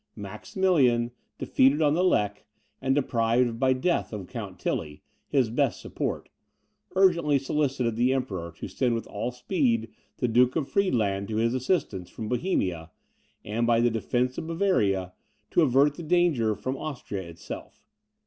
Maximilian, defeated on the Lech, and deprived by death of Count Tilly, his best support, urgently solicited the Emperor to send with all speed the Duke of Friedland to his assistance, from Bohemia, and by the defence of Bavaria, to avert the danger from Austria itself.